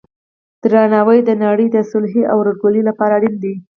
درناوی د نړۍ د صلحې او ورورګلوۍ لپاره اړین دی.